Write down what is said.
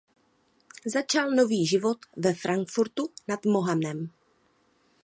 Začal nový život ve Frankfurtu nad Mohanem.